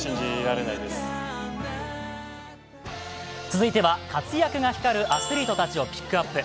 続いては活躍が光るアスリートたちをピックアップ。